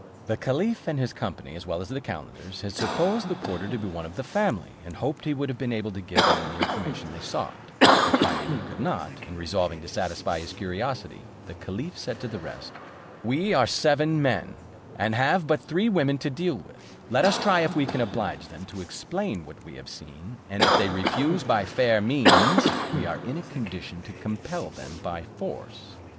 The caliph and his company, as well as the calenders, had supposed the porter to be one of the family, and hoped he would have been able to give them the information they sought; but finding he could not, and resolving to satisfy his curiosity, the caliph said to the rest, "We are seven men, and have but three women to deal with; let us try if we can oblige them to explain what we have seen, and if they refuse by fair means, we are in a condition to compel them by force."